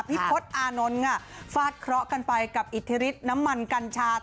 พศอานนท์ค่ะฟาดเคราะห์กันไปกับอิทธิฤทธิน้ำมันกัญชา